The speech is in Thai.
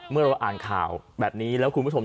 เมื่อเราอ่านข่าวแบบนี้แล้วคุณผู้ชม